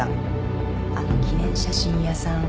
あの記念写真屋さん。